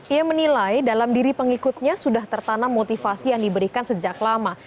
ia menilai dalam diri pengikutnya sudah tertanam motivasi yang diberikan sejak lama